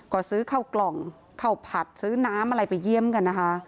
ก็ซื้อเข้ากล่องข้าวผัดซื้อน้ำอะไรไปเยี่ยมกันนะคะ